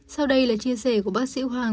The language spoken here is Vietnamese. sau đây là chia sẻ của bác sĩ hoàng